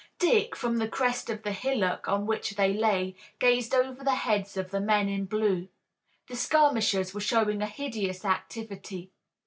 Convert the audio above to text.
Dick, from the crest of the hillock on which they lay, gazed over the heads of the men in blue. The skirmishers were showing a hideous activity.